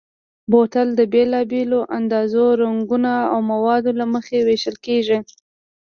بوتل د بېلابېلو اندازو، رنګونو او موادو له مخې وېشل کېږي.